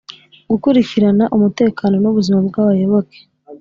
Gukurikirana umutekano n’ ubuzima bw’abayoboke